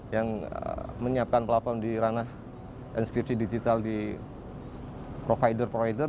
yang menyiapkan platform di ranah inskripsi digital di provider provider